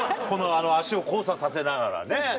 足を交差させながらね。